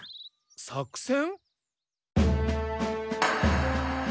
作戦？